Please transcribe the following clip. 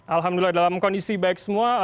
alhamdulillah dalam kondisi baik semua